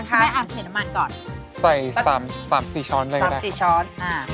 ได้ครับเมื่ออันเตี๋ยวน้ำมันก่อนเอา๓๔ช้อนได้ค่ะ๓๔ช้อน